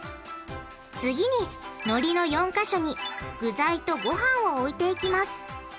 次にのりの４か所に具材とごはんを置いていきます。